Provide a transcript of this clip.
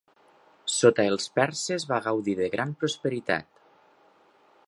Sota els perses va gaudir de gran prosperitat.